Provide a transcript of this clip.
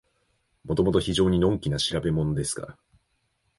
もともと非常にのんきな調べものですから、